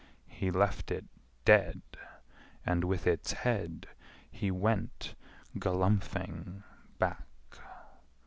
He left it dead, and with its head He went galumphing back.